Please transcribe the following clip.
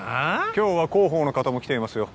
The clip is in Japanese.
今日は広報の方も来ていますよ